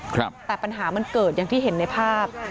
แต่ปัญหามันเกิดอย่างที่เห็นในภาพ